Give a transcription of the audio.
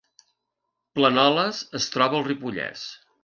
Planoles es troba al Ripollès